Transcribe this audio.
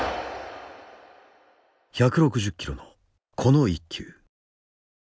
１６０キロのこの１球。